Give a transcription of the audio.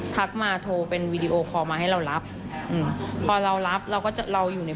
ทักมาโทรเป็นวีดีโอคอลมาให้เรารับอืมพอเรารับเราก็จะเราอยู่ใน